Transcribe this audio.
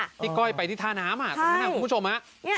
ใช่ที่ก้อยไปที่ท่าน้ำคุณผู้ชมน่ะเนี้ย